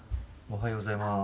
おはようございます。